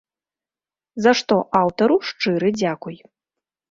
За што аўтару шчыры дзякуй!